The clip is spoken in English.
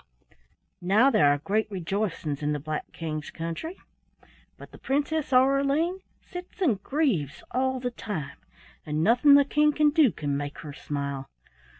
"Now there are great rejoicings in the Black King's country, but the Princess Aureline sits and grieves all the time, and nothing the King can do can make her smile.